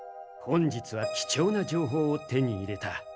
本日はきちょうな情報を手に入れた。